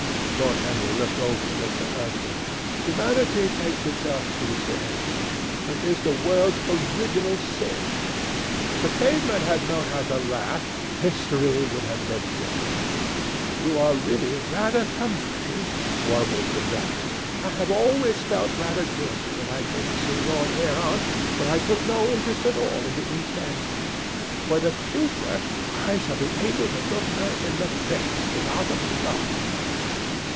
Lord Henry looked over at Mr. Erskine. "Humanity takes itself too seriously. It is the world's original sin. If the caveman had known how to laugh, history would have been different." "You are really very comforting," warbled the duchess. "I have always felt rather guilty when I came to see your dear aunt, for I take no interest at all in the East End. For the future I shall be able to look her in the face without a blush."